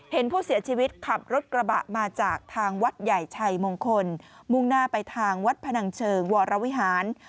เห็นผู้เสียชีวิตขับรถกระบะมาจากทางวัดใหญ่ชัยมงคลมุ่งหน้าไปทางวัดพนังเชิงวรวิหาร